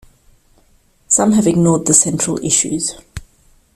Some have ignored the central issues.